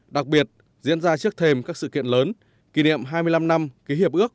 đặc biệt diễn ra trước thềm các sự kiện lớn kỷ niệm hai mươi năm năm ký hiệp ước